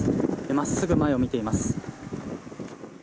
真っすぐ前を見ています。